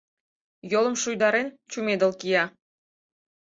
Йолым шуйдарен, чумедыл кия.